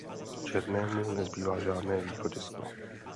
Černému nezbývá žádné východisko.